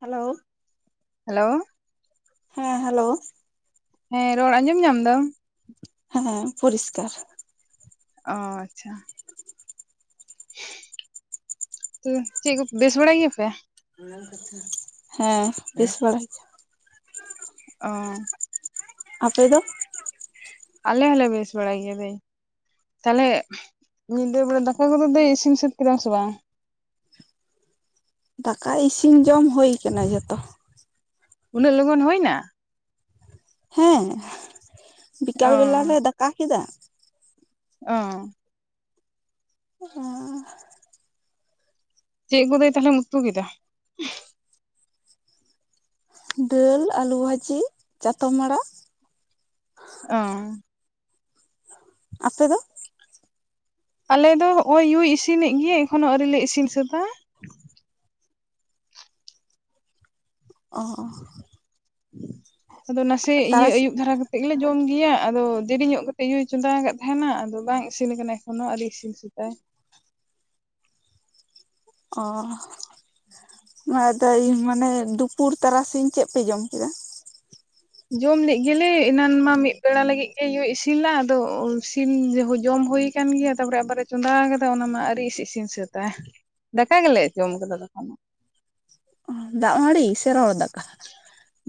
Hello hello ᱦᱮᱸ hello ᱦᱮᱸ ᱨᱚᱲ ᱟᱸᱡᱚᱢ ᱧᱟᱢ ᱫᱟᱢ ᱦᱮᱸ ᱯᱚᱨᱤᱥᱠᱟᱨ ᱚ ᱟᱪᱪᱷᱟ ᱛᱚ ᱪᱮᱫ ᱠᱚ ᱵᱮᱥ ᱵᱟᱲᱟ ᱜᱮᱭᱟᱯᱮ ᱦᱮᱸ ᱵᱮᱥ ᱵᱟᱲᱟ ᱜᱮ ᱚ ᱟᱯᱮ ᱫᱚ ᱟᱞᱮ ᱦᱚᱸᱞᱮ ᱵᱮᱥ ᱵᱟᱲᱟ ᱜᱮᱭᱟ ᱫᱟᱹᱭ ᱛᱟᱞᱦᱮ ᱧᱤᱫᱟᱹ ᱵᱮᱲᱟ ᱫᱟᱠᱟ ᱠᱚ ᱫᱚ ᱯᱮ ᱤᱥᱤᱱ ᱥᱟᱹᱛ ᱠᱮᱫᱟ ᱥᱮ ᱵᱟᱝ ᱫᱟᱠᱟ ᱤᱥᱤᱱ ᱡᱚᱢ ᱦᱩᱭ ᱟᱠᱟᱱᱟ ᱡᱚᱛᱚ ᱩᱱᱟᱹᱜ ᱞᱚᱜᱚᱱ ᱦᱳᱭᱱᱟ ᱦᱮᱸ ᱚ ᱵᱤᱠᱟᱞ ᱵᱮᱞᱟ ᱞᱮ ᱫᱟᱠᱟ ᱠᱮᱫᱟ ᱚ [unintelligible] ᱪᱮᱫ ᱠᱚ ᱫᱟᱹᱭ ᱛᱟᱦᱚᱞᱮᱢ ᱩᱛᱩ ᱠᱮᱫᱟ ᱰᱟᱹᱞ ᱟᱹᱞᱩ ᱵᱷᱟᱹᱡᱤ ᱪᱟᱛᱚᱢ ᱟᱲᱟᱜ ᱚ ᱟᱯᱮ ᱫᱚ ᱟᱞᱮ ᱫᱚ ᱦᱚᱸᱚᱜ ᱭᱩᱭ ᱤᱥᱤᱱᱮᱫ ᱜᱮᱭᱟ ᱮᱠᱷᱚᱱᱚ ᱟᱹᱣᱨᱤ ᱞᱮ ᱤᱥᱤᱱ ᱥᱟᱹᱛᱟ ᱚ ᱟᱫᱚ ᱱᱟᱥᱮ ᱤᱭᱟᱹ ᱛᱟᱨᱟᱥᱤ ᱟᱭᱩᱵ ᱫᱷᱟᱨᱟ ᱠᱟᱛᱮᱫ ᱜᱮᱞᱮ ᱡᱚᱢ ᱜᱮᱭᱟ ᱟᱫᱚ ᱫᱮᱨᱤᱧᱚᱜ ᱠᱟᱛᱮᱫ ᱭᱩᱭ ᱪᱚᱸᱫᱟ ᱠᱟᱜ ᱛᱟᱦᱮᱱᱟ ᱟᱫᱚ ᱵᱟᱝ ᱤᱥᱤᱱ ᱠᱟᱱᱟ ᱮᱠᱷᱚᱱ ᱦᱚᱸ ᱟᱣᱨᱤ ᱤᱥᱤᱱ ᱥᱟ. ᱛᱟᱭ ᱚ ᱟᱫᱚ ᱤᱧ ᱢᱟᱱᱮ ᱫᱩᱯᱩᱨ ᱛᱟᱨᱟᱥᱤᱧ ᱪᱮᱫ ᱯᱮ ᱡᱚᱢ ᱠᱮᱫᱟ ᱡᱚᱢ ᱞᱮᱜ ᱜᱮᱞᱮ ᱮᱱᱟᱱ ᱢᱟ ᱢᱤᱫ ᱵᱮᱲᱟ ᱞᱟᱹᱜᱤᱫ ᱜᱮ ᱭᱳᱭ ᱤᱥᱤᱱ ᱞᱟᱜ ᱟᱫᱚ ᱤᱥᱤᱱ ᱡᱚᱢ ᱦᱩᱭ ᱠᱟᱱ ᱜᱮᱭᱟ ᱛᱟᱨᱯᱚᱨᱮ ᱟᱵᱟᱨᱮ ᱪᱚᱸᱫᱟ ᱠᱟᱫᱟ ᱚᱱᱟ ᱢᱟ ᱟᱨᱤ ᱤᱥᱤ ᱤᱥᱤᱱ ᱥᱟᱹᱛᱟᱭ ᱫᱟᱠᱟ ᱜᱮᱞᱮ ᱡᱚᱢ ᱠᱟᱫᱟ ᱛᱚᱠᱷᱚᱱᱚᱜ ᱫᱟᱜ ᱢᱟᱹᱲᱤ ᱥᱮ ᱨᱚᱦᱚᱲ ᱫᱟᱠᱟ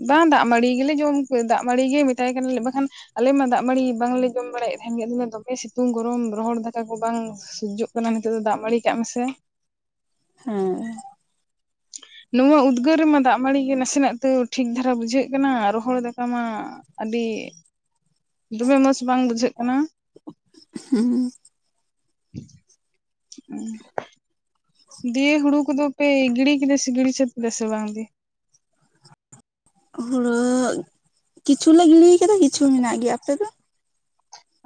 ᱵᱟᱝ ᱫᱟᱜ ᱢᱟᱹᱲᱤ ᱜᱮᱞᱮ ᱡᱚᱢ ᱫᱟᱜ ᱢᱟᱹᱲᱤ ᱜᱮ ᱢᱮᱛᱟᱭ ᱠᱟᱱᱟ ᱵᱟᱠᱷᱟᱱ ᱟᱞᱮ ᱢᱟ ᱫᱟᱜ ᱢᱟᱹᱲᱤ ᱵᱟᱝᱞᱮ ᱡᱚᱢ ᱵᱟᱲᱟᱭᱮᱫ ᱛᱟᱦᱮᱱ ᱜᱮ ᱟᱫᱚ ᱫᱚᱢᱮ ᱥᱤᱛᱩᱝ ᱜᱚᱨᱚᱢ ᱨᱚᱦᱚᱲ ᱫᱟᱠᱟ ᱠᱚ ᱵᱟᱝ ᱥᱳᱡᱳᱜ ᱠᱟᱱᱟ ᱱᱤᱛᱚᱜ ᱫᱚ ᱫᱟᱜ ᱢᱟᱹᱲᱤ ᱠᱟᱜ ᱢᱮᱥᱮ ᱦᱮᱸ ᱱᱚᱣᱟ ᱩᱫᱽᱜᱟᱹᱨ ᱨᱮᱢᱟ ᱫᱟᱜ ᱢᱟᱹᱲᱤ ᱜᱮ ᱱᱟᱥᱮᱱᱟᱜ ᱛᱟᱹᱣ ᱴᱷᱤᱠ ᱫᱷᱟᱨᱟ ᱵᱩᱡᱷᱟᱹᱜ ᱠᱟᱱᱟ ᱨᱚᱦᱚᱲ ᱫᱟᱠᱟ ᱢᱟ ᱟᱹᱰᱤ ᱫᱚᱢᱮ ᱢᱚᱪᱽ ᱵᱟᱝ ᱵᱩᱡᱷᱟᱹᱜ ᱠᱟᱱᱟ ᱦᱩᱸ ᱩᱸ ᱫᱤᱭᱮ ᱦᱩᱲᱩ ᱠᱚ ᱫᱚ ᱯᱮ ᱜᱤᱲᱤ ᱠᱮᱫᱟ ᱥᱮ ᱜᱤᱲᱤ ᱥᱟᱹᱛ ᱠᱮᱫᱟ ᱥᱮ ᱵᱟᱝ ᱜᱮᱼᱼ ᱦᱩᱲᱩ ᱠᱤᱪᱷᱩ ᱞᱮ ᱜᱤᱲᱤᱭ ᱠᱟᱫᱟ ᱠᱤᱪᱷᱩ ᱢᱮᱱᱟᱜ ᱜᱮᱭᱟ ᱟᱯᱮ ᱫᱚᱼᱼ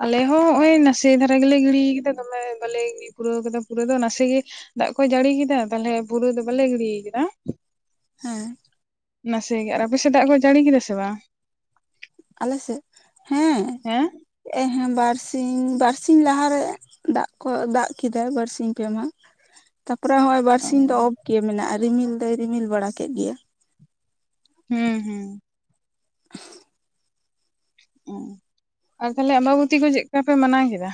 ᱟᱞᱮ ᱦᱚᱸ ᱦᱚᱸᱜ ᱚᱭ ᱱᱟᱥᱮ ᱫᱷᱟᱨᱟ ᱜᱮᱞᱮ ᱜᱤᱲᱤᱭ ᱠᱮᱫᱟ ᱫᱚᱢᱮ ᱵᱟᱞᱮ ᱯᱩᱨᱟᱹᱣ ᱠᱟᱫᱟ ᱯᱩᱨᱟᱹ ᱫᱚ ᱱᱟᱥᱮ ᱜᱮᱼᱼ ᱫᱟᱜ ᱠᱚᱭ ᱡᱟᱹᱲᱤ ᱠᱮᱫᱟ ᱛᱟᱞᱦᱮ ᱯᱩᱨᱟᱹ ᱫᱚ ᱵᱟᱞᱮ ᱜᱤᱲᱤᱭ ᱠᱮᱫᱟ᱾ ᱦᱮᱸ ᱱᱟᱥᱮ ᱜᱮ ᱟᱨ ᱟᱯᱮ ᱥᱮᱫ ᱫᱟᱜ ᱠᱚᱭ ᱡᱟᱹᱲᱤ ᱠᱮᱫᱟ ᱥᱮ ᱵᱟᱝ ᱟᱞᱮ ᱥᱮᱫ ᱦᱮᱸ ᱦᱮᱸ ᱵᱟᱨᱥᱤᱧ ᱵᱟᱨᱥᱤᱧ ᱞᱟᱦᱟ ᱨᱮᱼᱼ ᱫᱟᱜ ᱠᱚ ᱫᱟᱜ ᱠᱮᱫᱟᱭ ᱵᱟᱨᱥᱤᱧ ᱯᱮ ᱢᱟᱦᱟ ᱛᱟᱯᱚᱨᱮ ᱦᱚᱸᱜ ᱚᱭᱼᱼ ᱚ ᱵᱟᱨᱥᱤᱧ ᱫᱚ ᱚᱯ ᱜᱮ ᱢᱮᱱᱟᱜ-ᱟ ᱨᱤᱢᱤᱞ ᱫᱚᱭ ᱨᱤᱢᱤᱞ ᱵᱟᱲᱟ ᱠᱮᱫ ᱜᱮᱭᱟ᱾ ᱦᱩᱸ ᱦᱩᱸ ᱟᱨ ᱛᱟᱞᱮ ᱟᱢᱵᱟ ᱵᱚᱛᱤ ᱠᱚ ᱪᱮᱫ ᱠᱟ ᱯᱮ ᱢᱟᱱᱟᱣ ᱠᱮᱫᱟ?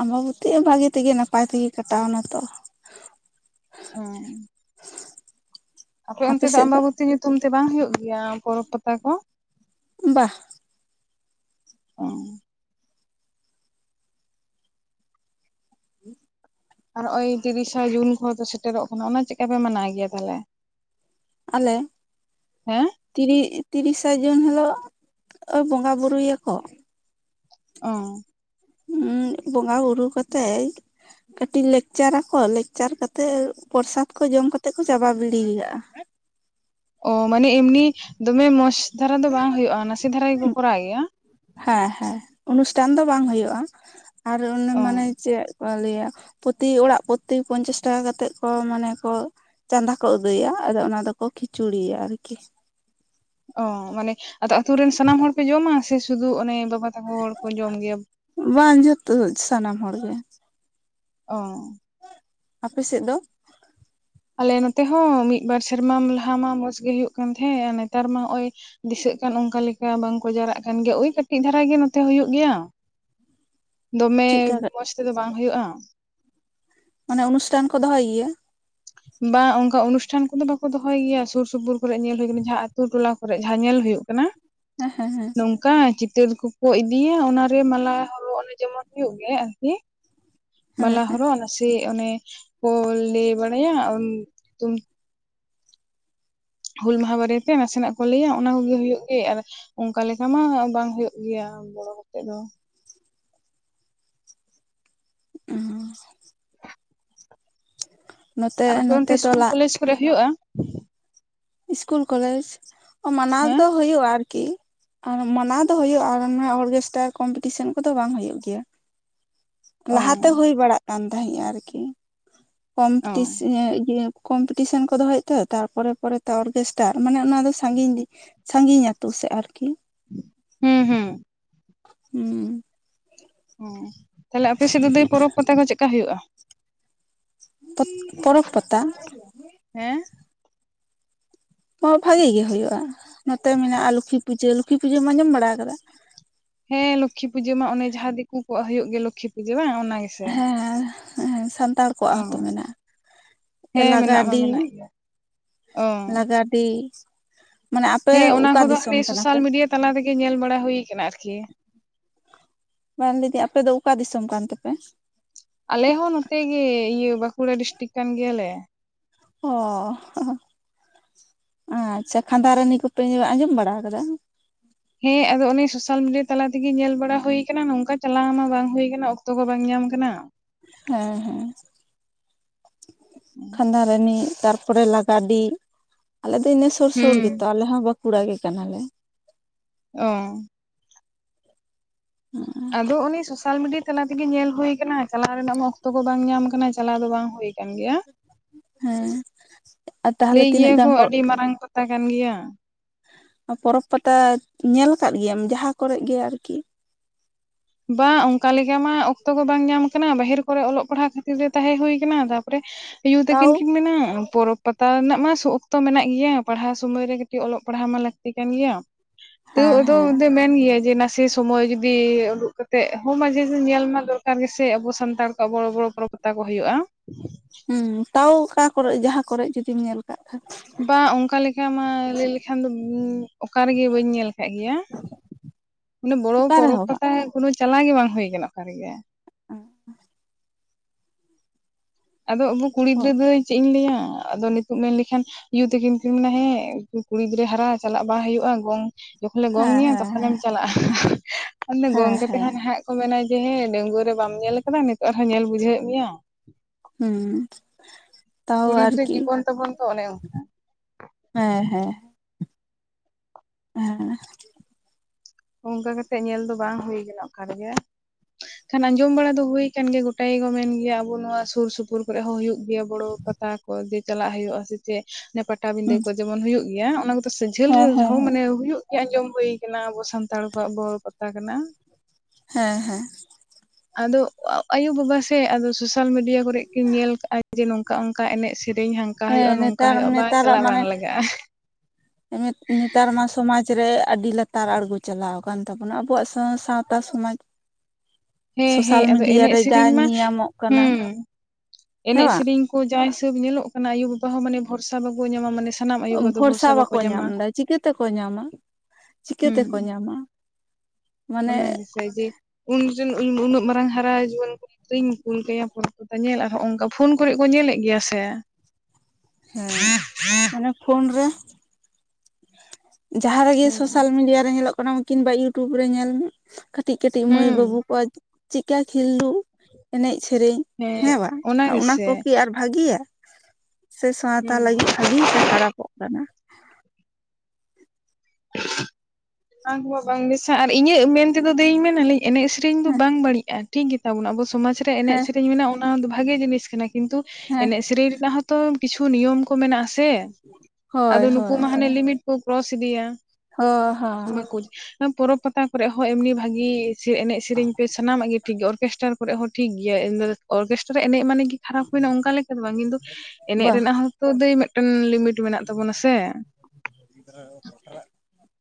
ᱟᱢᱵᱟ ᱵᱚᱛᱤ ᱵᱷᱟᱜᱤ ᱛᱮ ᱜᱮ ᱱᱟᱯᱟᱭ ᱛᱮᱜᱮ ᱠᱟᱴᱟᱣ ᱱᱟ ᱛᱚ᱾ ᱚᱸᱻ ᱟᱯᱮ ᱚᱱᱛᱮ ᱫᱚ ᱟᱢᱵᱟ ᱵᱚᱛᱤ ᱧᱩᱛᱩᱢ ᱛᱮ ᱵᱟᱝ ᱦᱩᱭᱩᱜ ᱜᱮᱭᱟ ᱯᱚᱨᱚᱵᱽ ᱯᱟᱛᱟ ᱠᱚᱼᱼ ᱵᱟᱜ ᱚ [inaudible] ᱟᱨ ᱦᱚᱸᱜ ᱚᱭ ᱛᱤᱨᱤᱥᱟ ᱡᱩᱱ ᱠᱚ ᱦᱚᱸ ᱛᱚ ᱥᱮᱴᱮᱨᱚᱜ ᱠᱟᱱᱟ ᱚᱱᱟ ᱪᱮᱜᱠᱟ ᱯᱮ ᱢᱟᱱᱟᱣ ᱜᱮᱭᱟ ᱛᱟᱦᱞᱮ ᱟᱞᱮ ᱦᱮᱸ ᱛᱤᱨᱤ ᱛᱤᱨᱤᱥᱟ ᱡᱩᱱ ᱦᱤᱞᱳᱜ ᱵᱚᱸᱜᱟ ᱵᱩᱨᱩ ᱭᱟ ᱠᱚ᱾ ᱚᱸᱻ ᱩᱸ ᱵᱚᱸᱜᱟ ᱵᱩᱨᱩ ᱠᱟᱛᱮᱭ ᱠᱟᱴᱤᱡ ᱞᱮᱠᱪᱟᱨ ᱟᱠᱚ ᱞᱮᱠᱪᱟᱨ ᱠᱟᱛᱮᱫ ᱯᱚᱨᱥᱟᱛ ᱠᱚ ᱡᱚᱢ ᱠᱟᱛᱮᱫ ᱠᱚ ᱪᱟᱵᱟ ᱜᱤᱲᱤ ᱠᱟᱜ-ᱟ ᱚ ᱢᱟᱱᱮ ᱮᱢᱱᱤ ᱫᱚᱢᱮ ᱢᱚᱸᱥ ᱫᱷᱟᱨᱟ ᱫᱚ ᱵᱟᱝ ᱦᱳᱭᱳᱜᱼᱟ ᱱᱟᱥᱮ ᱫᱷᱟᱨᱟ ᱜᱮ ᱠᱚ ᱠᱚᱨᱟᱣ ᱜᱮᱭᱟ ᱦᱮᱸ ᱦᱮᱸ ᱩᱱᱩᱥᱴᱟᱱ ᱫᱚ ᱵᱟᱝ ᱦᱩᱭᱩᱜ-ᱟ ᱟᱨ ᱚᱱᱮ ᱚ ᱢᱟᱱᱮ ᱪᱮᱫᱼᱼ ᱞᱟᱹᱭᱟ ᱯᱚᱛᱤ ᱚᱲᱟᱜ ᱯᱚᱛᱤ ᱯᱚᱧᱪᱟᱥ ᱴᱟᱠᱟ ᱠᱟᱛᱮᱫ ᱠᱚ ᱢᱟᱱᱮ ᱠᱚᱼᱼ ᱪᱟᱸᱫᱟ ᱠᱚ ᱟᱹᱫᱟᱹᱭᱟ ᱟᱫᱚ ᱚᱱᱟ ᱫᱚ ᱠᱚ ᱠᱷᱤᱪᱩᱲᱤᱭᱟ ᱟᱨᱠᱤ ᱚ ᱢᱟᱱᱮ ᱟᱫᱚ ᱟᱹᱛᱩ ᱨᱮᱱ ᱥᱟᱱᱟᱢ ᱦᱚᱲ ᱯᱮ ᱡᱚᱢᱟ ᱥᱮ ᱥᱩᱫᱩ ᱚᱱᱮ ᱵᱟᱵᱟ ᱛᱟᱠᱚ ᱦᱚᱲ ᱠᱚ ᱡᱚᱢ ᱜᱮᱭᱟ᱾ ᱵᱟᱝ ᱡᱚᱛᱚ ᱥᱟᱱᱟᱢ ᱦᱚᱲ ᱜᱮᱼᱼ ᱚ ᱟᱯᱮ ᱥᱮᱫ ᱫᱚᱼᱼ ᱟᱞᱮ ᱱᱚᱛᱮ ᱦᱚᱸ ᱢᱤᱜ ᱵᱟᱨ ᱥᱮᱨᱢᱟ ᱞᱟᱦᱟ ᱢᱟ ᱢᱚᱸᱡᱽ ᱜᱮ ᱦᱩᱭᱩᱜ ᱠᱟᱱ ᱛᱟᱦᱮᱸ ᱟᱨ ᱱᱮᱛᱟᱨ ᱢᱟ ᱱᱚᱜᱚᱭᱼᱼ ᱫᱤᱥᱟᱹᱜ ᱠᱟᱱ ᱚᱱᱠᱟ ᱞᱮᱠᱟ ᱵᱟᱝ ᱠᱚ ᱡᱟᱣᱨᱟᱜ ᱠᱟᱱ ᱜᱮ ᱳᱭ ᱠᱟᱹᱴᱤᱡ ᱫᱷᱟᱨᱟ ᱜᱮ ᱱᱚᱛᱮ ᱦᱩᱭᱩᱜ ᱜᱮᱭᱟ ᱫᱚᱢᱮ ᱪᱮᱫᱠᱟ ᱢᱚᱸᱡᱽ ᱛᱮ ᱫᱚ ᱵᱟᱝ ᱦᱩᱭᱩᱜᱼᱟ ᱢᱟᱱᱮ ᱚᱱᱩᱥᱴᱷᱟᱱ ᱠᱚ ᱫᱚᱦᱚᱭ ᱜᱮᱭᱟ᱾ ᱵᱟ ᱚᱱᱠᱟ ᱚᱱᱩᱥᱴᱷᱟᱱ ᱠᱚ ᱫᱚ ᱵᱟᱠᱚ ᱫᱚᱦᱚᱭ ᱜᱮᱭᱟ ᱥᱩᱨ ᱥᱩᱯᱩᱨ ᱠᱚ ᱨᱮ ᱧᱮᱞ ᱦᱩᱭ ᱠᱟᱱᱟ ᱡᱟᱸᱦᱟ ᱟᱹᱛᱩ ᱴᱚᱞᱟ ᱼᱼ ᱠᱚ ᱨᱮ ᱡᱟᱸᱦᱟ ᱧᱮᱞ ᱦᱩᱭᱩᱜ ᱠᱟᱱᱟ᱾ ᱦᱮᱸ ᱦᱮᱸ ᱦᱮᱸ ᱚᱱᱠᱟ ᱪᱤᱛᱟᱹᱨ ᱠᱚ ᱠᱚ ᱤᱫᱤᱭᱟ ᱚᱱᱟ ᱨᱮ ᱢᱟᱞᱟ ᱦᱚᱨᱚᱜ ᱚᱱᱮ ᱡᱮᱢᱚᱱ ᱦᱩᱭᱩᱜ ᱜᱮ ᱟᱨᱠᱤᱼᱼ ᱦᱮᱸ ᱢᱟᱞᱟ ᱦᱮᱸ ᱦᱚᱨᱚᱜ ᱱᱟᱥᱤ ᱚᱱᱮ ᱠᱚ ᱞᱟᱹᱭ ᱵᱟᱲᱟᱭᱟ [unintelligible] ᱦᱩᱞ ᱢᱟᱦᱟ ᱵᱟᱨᱮ ᱛᱮ ᱱᱟᱥᱮᱱᱟᱜ ᱠᱚ ᱞᱟᱹᱭᱟ ᱚᱱᱟ ᱠᱚ ᱜᱮ ᱦᱩᱭᱩᱜ ᱜᱮ ᱟᱨᱼᱼ ᱚᱱᱠᱟ ᱞᱮᱠᱟ ᱢᱟ ᱵᱟᱝ ᱦᱩᱭᱩᱜ ᱜᱮᱭᱟ ᱵᱚᱲᱚ ᱠᱟᱛᱮᱜ ᱫᱚᱼᱼ [inaudible] ᱱᱚᱛᱮ ᱟᱨ ᱟᱯᱮ ᱚᱱᱛᱮ ᱱᱚᱛᱮ ᱫᱚ ᱤᱥᱠᱩᱞ ᱞᱟᱜ ᱠᱚᱞᱮᱡᱽ ᱠᱚ ᱨᱮ ᱦᱩᱭᱩᱜᱼᱟ ᱤᱥᱠᱩᱞ ᱠᱚᱞᱮᱡᱽ ᱢᱟᱱᱟᱣ ᱦᱮᱸ ᱫᱚᱼᱼ ᱦᱳᱭᱳᱜᱼᱟ ᱟᱨᱠᱤ ᱟᱨ ᱢᱟᱱᱟᱣ ᱫᱚ ᱦᱳᱭᱳᱜ ᱟᱨ ᱚᱱᱟ ᱚᱨᱜᱮᱥᱴᱟᱨ ᱠᱚᱢᱯᱤᱴᱤᱥᱮᱱ ᱠᱚ ᱫᱚ ᱵᱟᱝ ᱦᱩᱭᱩᱜ ᱜᱮᱭᱟ᱾ ᱚ ᱞᱟᱦᱟ ᱛᱮ ᱦᱩᱭ ᱵᱟᱲᱟᱜ ᱠᱟᱱ ᱛᱟᱦᱮᱸᱜᱼᱟ ᱟᱨᱠᱤ ᱚ ᱠᱚᱢᱯᱤᱴᱤᱥ ᱤᱭᱟᱹᱼᱼ ᱠᱚᱢᱯᱤᱴᱤᱥᱮᱱ ᱠᱚ ᱫᱚᱦᱚᱭ ᱮᱫ ᱫᱚ ᱛᱟᱨᱯᱚᱨᱮ ᱯᱚᱨᱮ ᱛᱮ ᱚᱨᱜᱮᱥᱴᱟᱨ ᱢᱟᱱᱮ ᱚᱱᱟ ᱫᱚ ᱥᱟᱸᱜᱤᱧ ᱫᱤᱼᱼ ᱥᱟᱸᱜᱤᱧ ᱟᱹᱛᱩ ᱥᱮᱜ ᱟᱨᱠᱤᱼᱼ ᱦᱩᱸ ᱦᱩᱸ ᱾ ᱦᱩᱸ ᱾ ᱛᱟᱦᱞᱮ ᱟᱯᱮ ᱥᱮᱫ ᱫᱚ ᱫᱟᱹᱭ ᱯᱚᱨᱚᱵᱽ ᱯᱟᱛᱟ ᱠᱚ ᱪᱮᱫᱠᱟ ᱦᱩᱭᱩᱜᱼᱟ? ᱯᱚ ᱯᱚᱨᱚᱵ ᱯᱟᱛᱟ ᱾ ᱦᱮᱸ ᱾ ᱚ ᱵᱷᱟᱜᱤ ᱜᱮ ᱦᱩᱭᱩᱜᱼᱟ, ᱱᱚᱛᱮ ᱢᱮᱱᱟᱜᱼᱟ ᱞᱚᱠᱷᱤ ᱯᱩᱡᱟᱹ ᱞᱚᱠᱠᱷᱤ ᱯᱩᱡᱟᱹᱢ ᱟᱸᱡᱚᱢ ᱵᱟᱲᱟ ᱟᱠᱟᱫᱟ? ᱦᱮᱸ ᱞᱚᱠᱷᱤ ᱯᱩᱡᱟᱹ ᱢᱟ ᱚᱱᱮ ᱡᱟᱦᱟ ᱫᱤᱠᱩ ᱠᱚᱣᱟᱜ ᱦᱩᱭᱩᱜ ᱜᱮᱭᱟ ᱞᱚᱠᱠᱷᱤ ᱯᱩᱡᱟᱹ ᱢᱟ ᱚᱱᱟᱜᱮ ᱾ ᱦᱮᱸ ᱥᱟᱱᱛᱟᱲ ᱠᱚᱣᱟᱜ ᱚ ᱦᱚᱸᱛᱚ ᱢᱮᱱᱟᱜᱼᱟ ᱾ ᱦᱮᱸ ᱢᱮᱱᱟᱜ ᱢᱟ ᱞᱟᱜᱟᱰᱤ, ᱢᱮᱱᱟᱜ ᱜᱮᱭᱟ ᱚ ᱞᱟᱜᱟᱰᱤ ᱾ ᱢᱟᱱᱮ ᱟᱯᱮ ᱦᱮᱸ ᱚᱱᱟ ᱚᱠᱟ ᱠᱚᱫᱚ ᱫᱤᱥᱚᱢ ᱦᱟᱱᱮ ᱥᱳᱥᱟᱞ ᱠᱟᱱᱟᱯᱮ? ᱢᱤᱰᱤᱭᱟ ᱛᱟᱞᱟ ᱛᱮᱜᱮ ᱧᱮᱞ ᱵᱟᱲᱟ ᱦᱩᱭ ᱠᱟᱱᱟ ᱟᱨᱠᱤ ᱾ ᱢᱮᱱ ᱫᱟᱹᱧ ᱡᱮ ᱟᱯᱮ ᱫᱚ ᱚᱠᱟ ᱫᱤᱥᱚᱢ ᱠᱟᱱ ᱛᱮᱯᱮ? ᱟᱞᱮ ᱦᱚᱸ ᱱᱚᱛᱮ ᱜᱮ ᱤᱭᱟᱹ ᱵᱟᱠᱩᱲᱟ ᱰᱤᱥᱴᱤᱠ ᱠᱟᱱ ᱜᱮᱭᱟᱞᱮ ᱾ ᱚ ᱟᱪᱪᱷᱟ ᱠᱷᱟᱸᱫᱟᱨᱟᱱᱤ ᱠᱚᱯᱮ ᱟᱸᱡᱚᱢ ᱵᱟᱲᱟ ᱟᱠᱟᱫᱟ? ᱦᱮᱸ ᱟᱫᱚ ᱚᱱᱮ ᱥᱚᱥᱟᱞ ᱢᱤᱰᱤᱭᱟ ᱛᱟᱞᱟ ᱛᱮᱜᱮ ᱧᱮᱞ ᱵᱟᱲᱟ ᱦᱩᱭ ᱠᱟᱱᱟ ᱱᱚᱝᱠᱟ ᱪᱟᱞᱟᱣ ᱢᱟ ᱵᱟᱝ ᱦᱩᱭ ᱟᱠᱟᱱᱟ ᱚᱠᱛᱚ ᱠᱚ ᱵᱟᱝ ᱧᱟᱢ ᱠᱟᱱᱟ ᱾ ᱦᱮᱸ ᱦᱮᱸ ᱾ ᱠᱷᱟᱸᱫᱟᱨᱟᱱᱤ ᱛᱟᱨ ᱯᱚᱨᱮ ᱞᱟᱜᱟᱰᱤ, ᱟᱞᱮ ᱫᱚ ᱤᱱᱟᱹ ᱥᱩᱨ ᱥᱩᱨ ᱜᱮᱛᱚ ᱦᱩᱸ ᱟᱞᱮ ᱦᱚᱸ ᱵᱟᱠᱩᱲᱟ ᱜᱮ ᱠᱟᱱᱟᱞᱮ ᱾ ᱚ ᱾ ᱟᱫᱚ ᱩᱱᱤ ᱥᱚᱥᱟᱞ ᱢᱤᱰᱤᱭᱟ ᱛᱟᱞᱟ ᱛᱮᱜᱮ ᱧᱮᱞ ᱦᱩᱭ ᱠᱟᱱᱟ ᱪᱟᱞᱟᱣ ᱨᱮᱱᱟᱜ ᱚᱠᱛᱚ ᱠᱚ ᱵᱟᱝ ᱧᱟᱢ ᱟᱠᱟᱱᱟ ᱪᱟᱞᱟᱣ ᱫᱚ ᱵᱟᱝ ᱦᱩᱭ ᱠᱟᱱ ᱜᱮᱭᱟ ᱾ ᱦᱮᱸ ᱟᱨ ᱛᱟᱦᱚᱞᱮ ᱞᱟᱹᱭ ᱛᱤᱱᱟᱹᱜ ᱜᱮᱭᱟ ᱠᱚ ᱜᱟᱱ ᱯᱚᱨ ᱟᱹᱰᱤ ᱢᱟᱨᱟᱝ ᱯᱟᱛᱟ ᱠᱟᱱ ᱜᱮᱭᱟ ᱾ ᱯᱚᱨᱚᱵᱽ ᱯᱟᱛᱟ, ᱧᱮᱞ ᱟᱠᱟᱫ ᱜᱮᱭᱟᱢ ᱡᱟᱦᱟ ᱠᱚᱨᱮ ᱜᱮ ᱟᱨᱠᱤ? ᱵᱟᱝ ᱚᱱᱠᱟ ᱞᱮᱠᱟ ᱢᱟ ᱚᱠᱛᱚ ᱠᱚ ᱵᱟᱝ ᱧᱟᱢ ᱠᱟᱱᱟ ᱵᱟᱦᱮᱨ ᱠᱚᱨᱮ ᱚᱞᱚᱜ ᱯᱟᱲᱦᱟᱜ ᱠᱷᱟᱹᱛᱤᱨ ᱛᱮ ᱛᱟᱦᱮ ᱦᱩᱭ ᱠᱟᱱᱟ ᱛᱟᱨᱯᱚᱨᱮ, ᱟᱹᱭᱩ ᱛᱟᱹᱠᱤᱱ ᱛᱟᱣ ᱠᱤᱱ ᱢᱮᱱᱟ ᱯᱚᱨᱚᱵᱽ ᱯᱟᱛᱟ ᱨᱮᱱᱟᱜ ᱢᱟ ᱚᱠᱛᱚ ᱢᱮᱱᱟᱜ ᱜᱮᱭᱟ, ᱯᱟᱲᱦᱟ ᱥᱚᱢᱚᱭ ᱨᱮ ᱠᱟᱹᱴᱤᱡ ᱚᱞᱚᱜ ᱯᱟᱲᱦᱟᱣ ᱢᱟ ᱞᱟᱹᱠᱛᱤ ᱠᱟᱱ ᱜᱮᱭᱟ ᱾ ᱛᱟᱹᱣ ᱦᱮᱸ ᱟᱫᱚ ᱦᱮᱸ ᱢᱮᱱ ᱜᱮᱭᱟ ᱡᱮ ᱱᱟᱥᱮ ᱥᱚᱢᱚᱭ ᱡᱩᱫᱤ ᱠᱟᱛᱮᱫ ᱦᱚ ᱢᱟᱡᱷᱮ ᱡᱮ ᱧᱮᱞ ᱢᱟ ᱫᱚᱨᱠᱟᱨ ᱜᱮᱥᱮ ᱟᱵᱚ ᱥᱟᱱᱛᱟᱲ ᱠᱚᱣᱟᱜ ᱵᱚᱲᱚ ᱵᱚᱲᱚ ᱯᱚᱨᱚᱵᱽ ᱯᱟᱛᱟ ᱠᱚ ᱦᱩᱭᱩᱜᱼᱟ ᱾ ᱦᱩᱸ ᱛᱟᱣ ᱚᱠᱟ ᱠᱚᱨᱮ ᱡᱟᱦᱟ ᱠᱚᱨᱮ ᱡᱩᱫᱤᱢ ᱧᱮᱞ ᱠᱟᱜ ᱠᱷᱟᱱ ᱵᱟᱝ ᱚᱱᱠᱟ ᱞᱮᱠᱟ ᱢᱟ ᱞᱟᱹᱭ ᱞᱮᱠᱷᱟᱱ ᱫᱚ, ᱚᱠᱟ ᱨᱮᱜᱮ ᱵᱟᱹᱧ ᱧᱮᱞ ᱠᱟᱜ ᱜᱮᱭᱟ ᱾ ᱢᱟᱱᱮ ᱵᱚᱲᱚ ᱚᱠᱟ ᱯᱚᱨᱚᱵᱽ ᱨᱮᱦᱚᱸ ᱵᱟᱝ ᱯᱟᱛᱟ ᱠᱚᱱᱟ ᱪᱟᱞᱟ ᱜᱮ ᱵᱟᱝ ᱦᱩᱭ ᱠᱟᱱᱟ, ᱥᱟᱨᱤ ᱜᱮ ᱾ ᱚ ᱟᱫᱚ ᱟᱵᱚ ᱠᱩᱲᱤ ᱜᱤᱫᱽᱨᱟᱹ ᱫᱚ ᱪᱮᱜ ᱤᱧ ᱞᱟᱹᱭᱟ, ᱟᱫᱚ ᱱᱤ ᱢᱮᱱ ᱞᱮᱠᱷᱟᱱ ᱭᱩ ᱛᱟᱠᱤᱱ ᱠᱤᱱ ᱢᱮᱱᱟ ᱦᱮᱸ ᱠᱩᱲᱤ ᱜᱤᱫᱽᱨᱟᱹ ᱦᱟᱨᱟᱜᱼᱟ ᱪᱟᱞᱟᱜ ᱵᱟᱝ ᱦᱩᱭᱩᱜᱼᱟ ᱜᱚᱝ ᱡᱚᱠᱷᱚᱱ ᱞᱮ ᱜᱚᱝ ᱦᱮᱸ ᱢᱮᱭᱟ ᱦᱮᱸ ᱦᱮᱸ ᱛᱚᱠᱷᱚᱱᱮᱢ ᱪᱟᱞᱟᱜᱼᱟ, [unintelligible] ᱦᱮᱸ ᱜᱚᱝ ᱠᱟᱛᱮ ᱦᱮᱸ ᱦᱚᱸ ᱱᱟᱦᱟᱜ ᱠᱚ ᱢᱮᱱᱟ ᱡᱮ ᱦᱮᱸ ᱰᱟᱹᱝᱜᱟᱹᱣᱟᱹ ᱨᱮ ᱵᱟᱢ ᱧᱮᱞ ᱠᱟᱫᱟ ᱱᱤᱛᱚᱜ ᱦᱚᱸ ᱧᱮᱞ ᱵᱩᱡᱷᱟᱹᱣᱮᱫ ᱢᱮᱭᱟ? ᱦᱩᱸ ᱾ ᱠᱩᱲᱤ ᱜᱤᱫᱽᱨᱟᱹ ᱡᱤᱵᱚᱱ ᱛᱟᱵᱚᱱ ᱛᱚ ᱚᱱᱮ ᱚᱱᱠᱟ ᱾ ᱦᱮᱸ ᱦᱮᱸ ᱾ [unintelligible] ᱚᱱᱠᱟ ᱠᱟᱛᱮᱜ ᱧᱮᱞ ᱫᱚ ᱵᱟᱝ ᱦᱩᱭ ᱠᱟᱱᱟ ᱚᱠᱟᱨᱮᱜᱮ ᱾ ᱠᱷᱟᱱ ᱟᱸᱡᱚᱢ ᱵᱟᱲᱟ ᱫᱚ ᱦᱩᱭ ᱠᱟᱱ ᱜᱮᱭᱟ, ᱜᱚᱴᱟ ᱜᱮᱠᱚ ᱢᱮᱱ ᱜᱮᱭᱟ ᱟᱵᱚ ᱱᱚᱣᱟ ᱥᱩᱨ ᱥᱩᱯᱩᱨ ᱠᱚᱨᱮᱜ ᱦᱚᱸ ᱦᱩᱭᱩᱜ ᱜᱮᱭᱟ ᱵᱚᱲᱚ ᱯᱟᱛᱟ ᱠᱚ ᱡᱮ ᱪᱟᱞᱟᱜ ᱦᱩᱭᱩᱜᱼᱟ ᱪᱮ ᱡᱮ ᱚᱱᱮ ᱯᱟᱴᱟᱵᱤᱸᱫᱟᱹ ᱦᱩᱸ ᱠᱚ ᱡᱮᱢᱚᱱ ᱦᱩᱭᱩᱜ ᱜᱮᱭᱟ, ᱚᱱᱟ ᱠᱚᱫᱚ ᱥᱮ ᱡᱷᱟᱹᱞ ᱦᱮᱸ ᱦᱮᱸ ᱨᱮᱦᱚᱸ ᱢᱟᱱᱮ ᱦᱩᱭᱩᱜ ᱟᱸᱡᱚᱢ ᱦᱩᱭ ᱠᱟᱱᱟ ᱟᱵᱚ ᱥᱟᱱᱛᱟᱲ ᱠᱚᱣᱟᱜ ᱵᱚᱲᱚ ᱯᱟᱛᱟ ᱠᱟᱱᱟ ᱾ ᱦᱮᱸ ᱦᱮᱸ ᱾ ᱟᱫᱚ ᱟᱭᱩ ᱵᱟᱵᱟ ᱥᱮ ᱟᱫᱚ ᱥᱚᱥᱟᱞ ᱢᱤᱰᱤᱭᱟ ᱠᱚᱨᱮᱜ ᱠᱤᱱ ᱧᱮᱞ ᱠᱟᱜᱼᱟ ᱡᱮ ᱱᱚᱝ ᱠᱟ ᱚᱱᱠᱟ ᱮᱱᱮᱡ ᱥᱮᱨᱮᱧ ᱦᱟᱱᱠᱟ ᱦᱮᱸ ᱦᱩᱭᱩᱜᱼᱟ ᱱᱚᱝᱠᱟ ᱱᱮᱛᱟᱨ ᱦᱩᱭᱩᱜᱼᱟ ᱵᱟᱝ ᱱᱮᱛᱟᱨᱟᱜ ᱪᱟᱞᱟᱜ ᱢᱟᱱᱮ ᱵᱟᱝ ᱞᱟᱜᱟᱜᱼᱟ ᱾ ᱱᱮᱛᱟᱨ ᱢᱟ ᱥᱚᱢᱟᱡᱽ ᱨᱮ ᱟᱹᱰᱤ ᱞᱟᱛᱟᱨ ᱟᱬᱜᱚ ᱪᱟᱞᱟᱣ ᱠᱟᱱ ᱛᱟᱵᱚᱱᱟ ᱟᱵᱚᱣᱟᱜ ᱥᱟᱶ ᱥᱟᱶᱛᱟ ᱥᱚᱢᱟᱡᱽ ᱾ [inaudible] ᱦᱮᱸ ᱦᱮᱸ ᱟᱫᱚ ᱮᱱᱮᱡ ᱡᱟ ᱥᱮᱨᱮᱧ ᱢᱟ, ᱧᱮᱧᱟᱢᱚᱜ ᱠᱟᱱᱟ ᱦᱩᱸ ᱦᱮᱸ ᱮᱱᱮᱡ ᱵᱟᱝ ᱥᱮᱨᱮᱧ ᱡᱟ ᱦᱤᱥᱟᱹᱵ ᱧᱮᱞᱚᱜ ᱠᱟᱱᱟ ᱟᱭᱩ ᱵᱟᱵᱟ ᱦᱚᱸ ᱢᱟᱱᱮ ᱵᱷᱚᱨᱥᱟ ᱵᱟᱠᱚ ᱧᱟᱢᱟ ᱢᱟᱱᱮ ᱥᱟᱱᱟᱢ ᱟᱭᱩ ᱵᱟᱵᱟ ᱫᱚ ᱵᱷᱚᱨᱥᱟ ᱵᱟᱠᱚ ᱧᱟᱢᱟ ᱾ ᱪᱤᱠᱟᱹ ᱛᱮ ᱠᱚ ᱧᱟᱢᱟ? ᱢᱟᱱᱮ ᱚᱱᱟ ᱜᱮ ᱥᱮ ᱡᱮ ᱩᱱ ᱨᱮᱱ ᱩᱱᱟᱹᱜ ᱢᱟᱨᱟᱝ ᱦᱟᱨᱟ ᱡᱩᱣᱟᱹᱱ ᱜᱤᱫᱽᱨᱟᱹᱧ ᱠᱩᱞ ᱠᱟᱭᱟ ᱯᱚᱨᱚᱵ ᱯᱟᱛᱟ ᱧᱮᱞ ᱟᱨ ᱦᱚᱸᱜ ᱚᱱᱠᱟ ᱯᱷᱩᱱ ᱠᱚ ᱨᱮ ᱠᱚ ᱧᱮᱞᱮᱜ ᱜᱮᱭᱟ ᱥᱮ ᱾ ᱦᱮᱸ ᱚᱱᱟ ᱯᱷᱳᱱ ᱨᱮ ᱡᱟᱦᱟᱸ ᱨᱮ ᱜᱮ ᱥᱳᱥᱟᱞ ᱢᱤᱰᱤᱭᱟ ᱨᱮ ᱧᱮᱞᱚᱜ ᱠᱟᱱᱟ ᱠᱤᱝᱵᱟ ᱤᱭᱩᱴᱩᱵᱽ ᱨᱮ ᱧᱮᱞ ᱢᱮ ᱠᱟᱹᱴᱤᱡ ᱠᱟᱹᱴᱤᱡ ᱢᱟᱹᱭ ᱵᱟᱹᱵᱩ ᱦᱩᱸ ᱠᱚ ᱪᱮᱜᱠᱟ ᱠᱷᱤᱞᱰᱩ ᱮᱱᱮᱡ ᱥᱮᱨᱮᱧ ᱦᱮᱸ ᱵᱟᱝ ᱚᱱᱟ ᱠᱚ ᱠᱤ ᱟᱨ ᱵᱷᱟᱹᱜᱤᱭᱟ? ᱥᱮ ᱥᱟᱶᱛᱟ ᱦᱩᱸ ᱞᱟᱹᱜᱤᱫ ᱵᱷᱹᱟᱜᱤ ᱥᱮ ᱠᱷᱟᱨᱟᱯᱚᱜ ᱠᱟᱱᱟ? ᱵᱟᱝ ᱵᱟᱝ ᱵᱮᱥᱟ ᱟᱨ ᱤᱧᱟᱹᱜ ᱢᱮᱱ ᱛᱮ ᱫᱚ ᱫᱟᱹᱭ ᱤᱧ ᱢᱮᱱᱟ ᱞᱟᱹᱭ ᱮᱱᱮᱡ ᱥᱮᱨᱮᱧ ᱫᱚ ᱦᱮᱸ ᱵᱟᱝ ᱵᱟᱹᱲᱤᱡᱼᱟ ᱾ ᱴᱷᱤᱠ ᱜᱮᱛᱟ ᱵᱚᱱᱟ ᱟᱵᱚ ᱥᱚᱢᱟᱡᱽ ᱨᱮ ᱮᱱᱮᱡ ᱦᱮᱸ ᱥᱮᱨᱮᱧ ᱢᱮᱱᱟᱜᱼᱟ ᱚᱱᱟ ᱫᱚ ᱵᱷᱟᱜᱮ ᱡᱤᱱᱤᱥ ᱠᱟᱱᱟ ᱠᱤᱱᱛᱩ ᱦᱮᱸ ᱮᱱᱮᱡ ᱥᱮᱨᱮᱧ ᱨᱮᱱᱟᱜ ᱦᱚᱸ ᱛᱚ ᱠᱤᱪᱷᱩ ᱱᱤᱭᱚᱢ ᱠᱚ ᱢᱮᱱᱟᱜᱼᱟ ᱥᱮ ᱦᱳᱭ ᱟᱫᱚ ᱱᱩᱠᱩ ᱢᱟ ᱦᱟᱱᱮ ᱞᱤᱢᱤᱴ ᱠᱚ ᱠᱨᱚᱥ ᱤᱫᱤᱭᱟ ᱾ ᱦᱚ [unintelligible] ᱯᱚᱨᱚᱵᱽ ᱯᱟᱛᱟ ᱠᱚᱨᱮᱜ ᱦᱚᱸ ᱮᱢᱱᱤ ᱵᱷᱟᱹᱜᱤ ᱥᱮ ᱮᱱᱮᱡ ᱥᱮᱨᱮᱧ ᱯᱮ ᱥᱟᱱᱟᱢᱟᱜ ᱜᱮ ᱴᱷᱤᱠ ᱜᱮᱭᱟ ᱚᱨᱠᱮᱥᱴᱟᱨ ᱠᱚᱨᱮᱜ ᱦᱚᱸ ᱴᱷᱤᱠ ᱜᱮᱭᱟ [unintelligible] ᱚᱨᱜᱮᱥᱴᱟᱨ ᱨᱮ ᱮᱱᱮᱡ ᱢᱟᱱᱮ ᱜᱤ ᱠᱷᱟᱨᱟᱯ ᱦᱩᱭᱱᱟ ᱚᱱᱠᱟ ᱞᱮᱠᱟ ᱫᱚ ᱵᱟᱝ ᱠᱤᱱᱛᱩ ᱮᱱᱮᱡ ᱵᱟ ᱨᱮᱱᱟᱜ ᱦᱚᱸ ᱛᱚ ᱫᱟᱹᱭ ᱢᱤᱫᱴᱮᱱ ᱞᱤᱢᱤᱴ ᱢᱮᱱᱟᱜ ᱛᱟᱵᱚᱱᱟ ᱥᱮ ᱾ [unintelligible]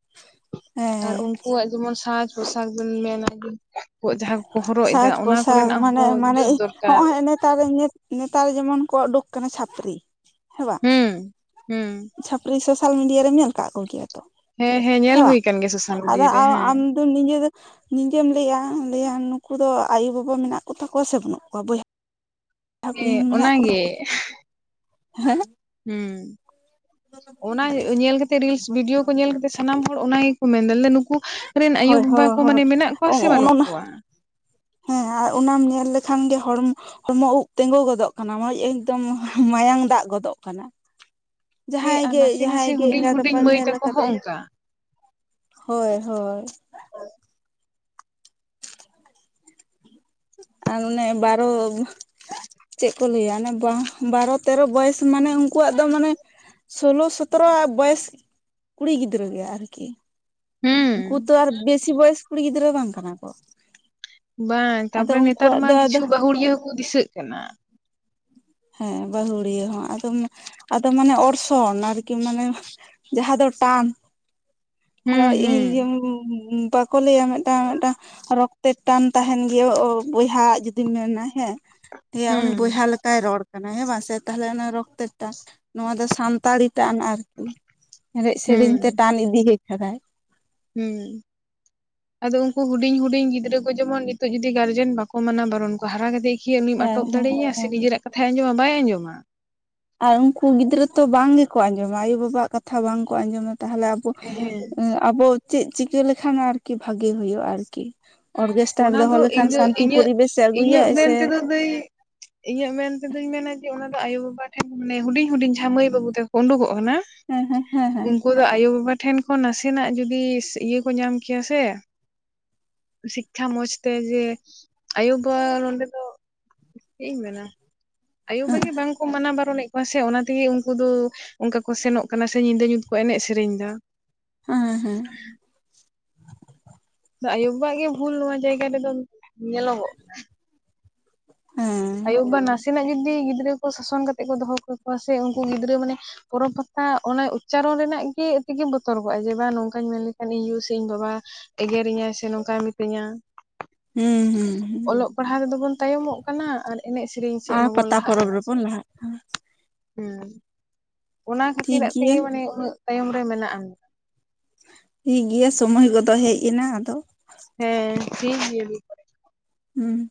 ᱟᱨ ᱦᱮᱸ ᱩᱱᱠᱩᱣᱟᱜ ᱡᱮᱢᱚᱱ ᱥᱟᱡᱽ ᱯᱳᱥᱟᱠ ᱵᱮᱱ ᱢᱮᱱᱟ‌ ᱵᱤᱱ ᱩᱱᱠᱩ ᱡᱟᱦᱟᱸ ᱠᱚ ᱠᱚ ᱦᱚᱨᱚᱜ ᱮᱫᱟ ᱥᱟᱡᱽ ᱚᱱᱟ ᱠᱚ ᱯᱳᱥᱟᱠ ᱨᱮᱱᱟᱜ ᱢᱟᱱᱮ ᱦᱚᱸ ᱢᱟᱱᱮ ᱡᱩᱛ ᱫᱚᱨᱠᱟᱨ ᱾ ᱦᱚᱜᱼᱚᱭ ᱱᱮᱛᱟᱨ ᱫᱚ ᱱᱮᱛᱟᱨ ᱡᱮᱢᱚᱱ ᱠᱚ ᱩᱰᱩᱠ ᱠᱟᱱᱟ ᱪᱷᱟᱹᱯᱨᱤ ᱾ ᱦᱮᱸ ᱵᱟᱝ? ᱦᱩᱸ ᱦᱮᱸ ᱾ ᱪᱷᱟᱹᱯᱨᱤ ᱥᱳᱥᱟᱞ ᱢᱤᱰᱤᱭᱟ ᱨᱮᱢ ᱧᱮᱞ ᱠᱟᱜ ᱠᱚ ᱜᱮᱭᱟ? ᱦᱮᱸ ᱦᱮᱸ ᱧᱮᱞ ᱦᱩᱭ ᱠᱟᱱ ᱜᱮ ᱥᱳᱥᱟᱞ ᱟᱫᱚ ᱢᱤᱰᱤᱭᱟ ᱨᱮ ᱦᱮᱸ ᱟᱢ ᱾ ᱱᱤᱡᱮ ᱫᱚ ᱱᱤᱡᱮᱢ ᱞᱟᱹᱭᱟ ᱞᱟᱹᱭᱟᱢ ᱱᱩᱠᱩ ᱫᱚ ᱟᱭᱩ ᱵᱟᱵᱟ ᱢᱮᱱᱟᱜ ᱠᱚᱛᱟ ᱠᱚᱣᱟ ᱥᱮ ᱵᱟᱹᱱᱩᱜ ᱠᱚᱣᱟ ᱵᱚᱭᱦᱟ ᱦᱮᱸ ᱚᱱᱟᱜᱮ [unintelligible] ᱦᱩᱸ ᱚᱱᱟ ᱧᱮᱞ ᱠᱟᱛᱮᱜ ᱨᱤᱞᱥ ᱵᱷᱤᱰᱭᱳ ᱠᱚ ᱧᱮᱞ ᱠᱟᱛᱮ ᱥᱟᱱᱟᱢ ᱦᱚᱲ ᱚᱱᱟ ᱜᱮ ᱠᱚ ᱢᱮᱱ ᱫᱟ ᱱᱩᱠᱩ ᱨᱮᱱ ᱟᱭᱩ ᱦᱳᱭ ᱵᱟᱵᱟ ᱦᱳᱭ ᱠᱚ ᱦᱳᱭ ᱢᱟᱱᱮ ᱢᱮᱱᱟᱜ ᱠᱚᱣᱟ ᱥᱮ ᱵᱟᱹᱱᱩᱜ ᱚᱱ ᱠᱚᱣᱟ? ᱦᱮᱸ ᱟᱨ ᱚᱱᱟᱢ ᱧᱮᱞ ᱞᱮᱠᱷᱟᱱ ᱜᱮ ᱦᱚᱲᱢᱚ ᱦᱚᱲᱢᱚ ᱩᱵ ᱛᱮᱜᱳ ᱜᱚᱫᱚᱜ ᱠᱟᱱᱟ [unintelligible] ᱮᱠᱫᱚᱢ ᱢᱟᱭᱟᱝ ᱫᱟᱜ ᱜᱚᱫᱚᱜ ᱠᱟᱱᱟ ᱾ ᱦᱮᱸ ᱡᱟᱦᱟᱸᱭ ᱟᱨ ᱜᱮ ᱱᱟᱥᱮ ᱡᱟᱦᱟᱸᱭ ᱱᱟᱥᱮ ᱜᱮ ᱦᱩᱰᱤᱧ ᱮᱸᱜᱟᱛ ᱦᱩᱰᱤᱧ ᱟᱯᱟᱛ ᱢᱟᱹᱭ ᱧᱮᱞ ᱛᱟᱠᱚ ᱠᱟᱛᱮ ᱦᱚᱸ ᱚᱱᱠᱟ ᱦᱳᱭ ᱦᱳᱭ ᱟᱨ ᱚᱱᱮ ᱵᱟᱨᱚᱼᱼ ᱪᱮᱫ ᱠᱚ ᱞᱟᱹᱭᱟ ᱚᱱᱮ [unintelligible] ᱵᱟᱨᱚ ᱛᱮᱨᱚ ᱵᱚᱭᱚᱥ ᱢᱟᱱᱮ ᱩᱱᱠᱩᱣᱟᱜ ᱫᱚ ᱢᱟᱱᱮᱼᱼ ᱥᱳᱞᱳ ᱥᱚᱛᱨᱚ ᱵᱚᱭᱮᱥ ᱠᱩᱲᱤ ᱜᱤᱫᱽᱨᱟᱹ ᱜᱮ ᱟᱨᱠᱤᱼᱼ ᱩᱱᱠᱩ ᱦᱩᱸ ᱛᱚ ᱟᱨ ᱵᱮᱥᱤ ᱵᱚᱭᱮᱥ ᱠᱩᱲᱤ ᱜᱤᱫᱽᱨᱟᱹ ᱵᱟᱝ ᱠᱟᱱᱟ ᱠᱚ᱾ ᱵᱟᱝ ᱟᱫᱚ ᱛᱟᱯᱚᱨᱮ ᱱᱮᱛᱟᱨ ᱩᱱᱠᱩᱣᱟᱜ ᱢᱟ ᱫᱚ ᱟᱫᱚ ᱠᱤᱪᱷᱩ ᱵᱟᱹᱦᱩᱲᱤᱭᱟᱹ ᱦᱚᱸ ᱠᱚ ᱫᱤᱥᱟᱹᱜ ᱠᱟᱱᱟ᱾ ᱦᱮᱸ ᱵᱟᱹᱦᱩᱲᱤᱭᱟᱹ ᱦᱚᱸ ᱟᱫᱚ ᱟᱫᱚ ᱢᱟᱱᱮ ᱚᱨᱥᱚᱝ ᱟᱨᱠᱤ ᱢᱟᱱᱮᱼᱼ ᱡᱟᱦᱟᱸ ᱫᱚ ᱴᱟᱱᱼᱼ ᱟᱨ ᱦᱩᱸ ᱦᱩᱸ [unintelligible] ᱵᱟᱠᱚ ᱞᱟᱹᱭᱟ ᱢᱤᱫᱴᱟᱝ ᱢᱤᱫᱴᱟᱝ ᱨᱚᱼᱼ ᱛᱮ ᱴᱟᱱ ᱛᱟᱦᱮᱱ ᱜᱮᱭᱟ ᱳ ᱵᱚᱭᱦᱟ ᱡᱩᱫᱤᱢ ᱢᱮᱱᱟ ᱦᱮᱸ ᱩᱱᱤ ᱦᱩᱸ ᱵᱚᱭᱦᱟ ᱞᱮᱠᱟᱭ ᱨᱚᱲᱼᱼ ᱠᱟᱱᱟ ᱦᱮᱸ ᱵᱟᱝ ᱥᱮ ᱛᱟᱦᱚᱞᱮ ᱚᱱᱟ ᱨᱚᱠᱛᱚᱴᱟᱱ ᱱᱚᱣᱟ ᱫᱚ ᱥᱟᱱᱛᱟᱲᱤᱼᱼ ᱴᱟᱱ ᱟᱨᱠᱤ ᱮᱱᱮᱡ ᱦᱩᱸ ᱥᱮᱨᱮᱧ ᱛᱮ ᱴᱟᱱ ᱤᱫᱤᱭᱮ ᱟᱠᱟᱫᱟᱭ᱾ ᱦᱩᱸ ᱟᱫᱚ ᱩᱱᱠᱩ ᱦᱩᱰᱤᱧ ᱦᱩᱰᱤᱧ ᱜᱤᱫᱽᱨᱟᱹ ᱠᱚ ᱡᱮᱢᱚᱱ ᱱᱤᱛᱚᱜ ᱡᱚᱫᱤ ᱜᱟᱨᱡᱮᱱ ᱵᱟᱠᱚ ᱢᱟᱱᱟ ᱵᱟᱨᱚᱱ ᱠᱩᱭᱟ ᱩᱱᱠᱩ ᱦᱟᱨᱟ ᱠᱟᱛᱮᱼᱼ ᱤᱭᱟᱹ ᱩᱱᱤᱢ ᱦᱮᱸ ᱟᱴᱚᱠ ᱦᱮᱸ ᱫᱟᱲᱮᱭᱮᱭᱟ ᱥᱮ ᱦᱮᱸ ᱱᱤᱡᱮᱨᱟᱜ ᱠᱟᱛᱷᱟᱭ ᱟᱸᱡᱚᱢᱟ ᱵᱟᱭ ᱟᱸᱡᱚᱢᱟ᱾ ᱟᱨ ᱩᱱᱠᱩ ᱜᱤᱫᱽᱨᱟᱹ ᱛᱚ ᱵᱟᱝ ᱜᱮ ᱠᱚ ᱟᱸᱡᱚᱢᱟ ᱟᱭᱩᱼᱵᱟᱵᱟᱣᱟᱜ ᱠᱟᱛᱷᱟ ᱵᱟᱝ ᱠᱚ ᱟᱸᱡᱚᱢᱟ ᱛᱟᱦᱚᱞᱮᱼᱼ ᱦᱮᱸ [unintelligible] ᱟᱵᱚ ᱪᱮᱫ ᱪᱤᱠᱟᱹ ᱞᱮᱠᱷᱟᱱ ᱟᱨᱠᱤ ᱵᱷᱟᱜᱤ ᱦᱩᱭᱩᱜᱼᱟ ᱟᱨᱠᱤ ᱚᱨᱜᱮᱥᱴᱟᱨ ᱚᱱᱟ ᱫᱚᱦᱚ ᱫᱚ ᱞᱮᱠᱷᱟᱱ ᱤᱧ ᱫᱚ ᱥᱟᱱᱛᱤ ᱤᱧᱟᱹᱜ ᱯᱚᱨᱤᱵᱮᱥᱮ ᱤᱧᱟᱹᱜ ᱟᱹᱜᱩᱭᱟᱭ ᱥᱮᱼᱼ [unintelligible] ᱤᱧᱟᱹᱜ ᱢᱮᱱᱛᱮᱫᱚᱧ ᱢᱮᱱᱟ ᱡᱮ ᱚᱱᱟ ᱫᱚ ᱟᱭᱳ ᱵᱟᱵᱟ ᱴᱷᱮᱱ ᱢᱟᱱᱮ ᱦᱩᱰᱤᱧ ᱦᱩᱰᱤᱧ ᱡᱟᱦᱟᱸᱭ ᱢᱟᱹᱭ ᱵᱟᱹᱵᱩ ᱛᱮᱠᱚ ᱩᱰᱩᱠᱚᱜ ᱠᱟᱱᱟ, ᱦᱮᱸ ᱦᱮᱸ ᱦᱮᱸ ᱦᱮᱸ, ᱩᱱᱠᱩ ᱫᱚ ᱟᱭᱳᱼ ᱵᱟᱵᱟ ᱴᱷᱮᱱ ᱠᱷᱚᱱ ᱱᱟᱥᱮᱱᱟᱜ ᱡᱩᱫᱤ ᱤᱭᱟᱹ ᱠᱚ ᱧᱟᱢ ᱠᱮᱭᱟ ᱥᱮ ᱥᱤᱠᱠᱷᱟ ᱢᱚᱸᱡᱽᱛᱮ ᱡᱮ ᱟᱭᱩ-ᱵᱟᱵᱟ ᱱᱚᱸᱰᱮ ᱫᱚ ᱪᱮᱫ ᱤᱧ ᱢᱮᱱᱟ ᱟᱭᱳ-ᱵᱟᱵᱟ ᱜᱤ ᱵᱟᱝᱠᱚ ᱢᱟᱱᱟ ᱵᱟᱨᱚᱱᱮᱫ ᱠᱚᱣᱟ ᱥᱮ ᱚᱱᱟ ᱛᱮᱜᱮ ᱩᱱᱠᱩ ᱫᱚ ᱚᱱᱠᱟ ᱠᱚ ᱥᱮᱱᱚᱜ ᱠᱟᱱᱟ ᱥᱮ ᱧᱤᱫᱟᱹ ᱧᱩᱛ ᱠᱚ ᱮᱱᱮᱡ ᱥᱮᱨᱮᱧ ᱮᱫᱟ᱾ ᱦᱮᱸ ᱦᱮᱸ ᱦᱮᱸ ᱦᱮᱸ ᱟᱭᱩ-ᱵᱟᱵᱟ ᱜᱮ ᱵᱷᱩᱞ ᱱᱚᱣᱟ ᱡᱟᱭᱜᱟ ᱨᱮᱫᱚ ᱧᱮᱞᱚᱜᱚᱜᱼᱟ ᱟᱭᱳ-ᱵᱟᱵᱟ ᱱᱟᱥᱮ ᱱᱟᱜ ᱡᱩᱫᱤ ᱜᱤᱫᱽᱨᱟᱹ ᱠᱚ ᱥᱟᱥᱚᱱ ᱠᱟᱛᱮᱫ ᱠᱚ ᱫᱚᱦᱚ ᱠᱟᱠᱚᱣᱟ ᱥᱮ ᱩᱱᱠᱩ ᱜᱤᱫᱽᱨᱟᱹ ᱢᱟᱱᱮ ᱯᱚᱨᱚᱵᱽ ᱯᱟᱛᱟ ᱚᱱᱟ ᱩᱪᱪᱟᱨᱚᱱ ᱨᱮᱱᱟᱜ ᱜᱮ ᱛᱮᱜᱮ ᱵᱚᱛᱚᱨ ᱠᱚᱚᱜᱼᱟ ᱡᱮ ᱵᱟᱝ ᱱᱚᱝᱠᱟᱧ ᱢᱮᱱ ᱞᱮᱠᱷᱟᱱ ᱤᱧ ᱭᱩ ᱥᱮ ᱤᱧ ᱵᱟᱵᱟ ᱮᱜᱮᱨᱤᱧᱟᱭ ᱥᱮ ᱱᱚᱝᱠᱟᱭ ᱢᱤᱛᱟᱹᱧᱟ᱾ ᱦᱩᱸ ᱦᱩᱸ ᱦᱩᱸ ᱚᱞᱚᱜ ᱯᱟᱲᱦᱟᱜ ᱨᱮᱫᱚ ᱵᱚᱱ ᱛᱟᱭᱚᱢᱚᱜ ᱠᱟᱱᱟ ᱟᱨ ᱮᱱᱮᱡ ᱥᱮᱨᱮᱧ ᱥᱮᱫ ᱟᱨ ᱢᱟᱵᱚᱱ ᱯᱟᱛᱟ ᱯᱚᱨᱚᱵᱽ ᱨᱮᱵᱚᱱ ᱞᱟᱦᱟᱜ ᱠᱟᱱᱟ᱾ ᱦᱮᱸ ᱚᱱᱟ ᱴᱷᱤᱠ ᱠᱷᱟᱹᱛᱤᱨᱟᱜ ᱜᱮᱭᱟ ᱛᱮᱜᱮ ᱢᱟᱱᱮ ᱩᱱᱟᱹᱜ ᱛᱟᱭᱚᱢ ᱨᱮ ᱢᱮᱱᱟᱜ ᱴᱷᱤᱠ ᱜᱮᱭᱟ ᱥᱚᱢᱚᱭ ᱠᱚᱫᱚ ᱦᱮᱡ ᱮᱱᱟ ᱟᱫᱚ ᱦᱮᱸ ᱴᱷᱤᱠ ᱜᱮᱭᱟ᱾ ᱦᱩᱸ